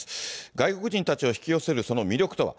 外国人たちを引き寄せるその魅力とは。